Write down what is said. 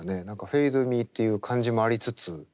何かｆａｄｅｍｅっていう感じもありつつ。